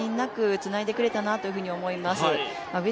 つないでくれたなと思います